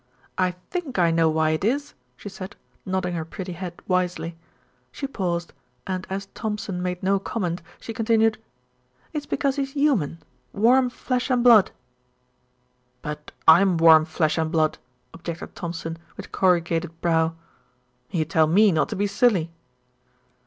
"I think I know why it is," she said, nodding her pretty head wisely. She paused, and as Thompson made no comment she continued: "It's because he's human, warm flesh and blood." "But when I'm warm flesh and blood," objected Thompson, with corrugated brow, "you tell me not to be silly."